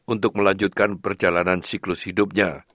untuk melanjutkan perjalanan siklus hidupnya